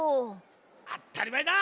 あったりまえだ！